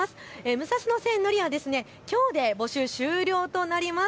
武蔵野線塗り絵はきょうで募集終了となります。